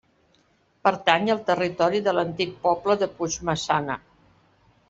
Pertany al territori de l'antic poble de Puigmaçana.